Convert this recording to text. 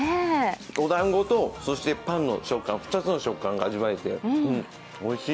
おだんごとパンの２つの食感が味わえて、おいしい。